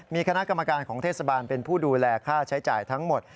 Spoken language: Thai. มีคณะกรรมการของเทศบาลเป็นผู้ดูแลค่าใช้จ่ายทั้งหมด